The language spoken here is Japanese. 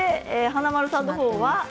華丸さんの方は？